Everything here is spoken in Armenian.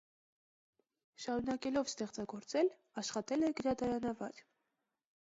Շարունակելով ստեղծագործել, աշխատել է գրադարանավար։